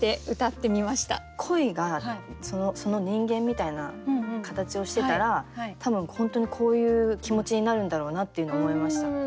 恋が人間みたいな形をしてたら多分本当にこういう気持ちになるんだろうなっていうのを思いました。